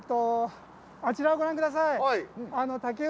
あちらをご覧ください。